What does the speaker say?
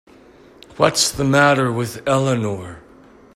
What's the matter with Eleanor?